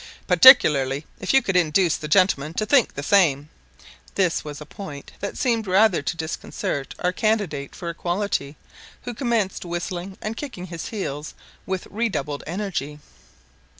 "Particularly if you could induce the gentleman to think the same." This was a point that seemed rather to disconcert our candidate for equality, who commenced whistling and kicking his heels with redoubled energy.